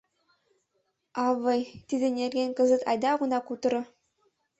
— Авый, тиде нерген кызыт айда огына кутыро.